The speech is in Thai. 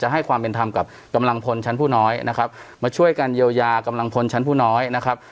ให้ความเป็นธรรมกับกำลังพลชั้นผู้น้อยนะครับมาช่วยกันเยียวยากำลังพลชั้นผู้น้อยนะครับ